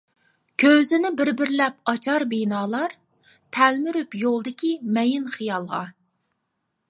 كۆزىنى بىر-بىرلەپ ئاچار بىنالار، تەلمۈرۈپ يولدىكى مەيىن خىيالغا.